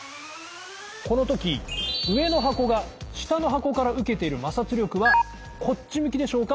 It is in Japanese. この時上の箱が下の箱から受けている摩擦力はこっち向きでしょうか？